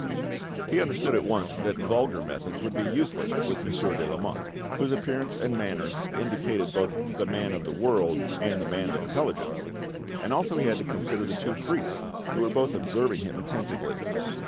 He understood at once that vulgar methods would be useless with Monsieur de Lamotte, whose appearance and manners indicated both the man of the world and the man of intelligence, and also he had to consider the two priests, who were both observing him attentively.